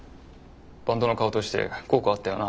バンドの顔として効果あったよな。